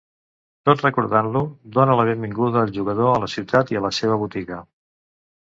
Tot recordant-lo, dóna la benvinguda al jugador a la ciutat i a la seva botiga.